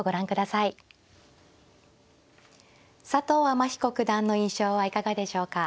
天彦九段の印象はいかがでしょうか。